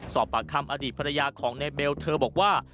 สอบปากคำอดีตภรรยาของในเบลเธอบอกว่า